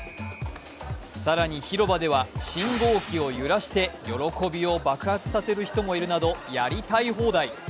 更に、広場では信号機を揺らして喜びを爆発させる人もいるなどやりたい放題。